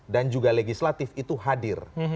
dan juga legislatif itu hadir